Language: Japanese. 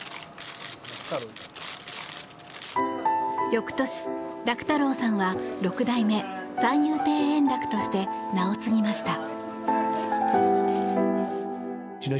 翌年、楽太郎さんは六代目三遊亭円楽として名を継ぎました。